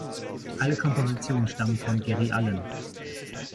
Alle Kompositionen stammen von Geri Allen.